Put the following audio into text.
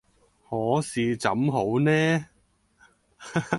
可是怎好呢？